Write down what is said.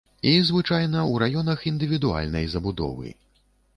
І, звычайна, у раёнах індывідуальнай забудовы.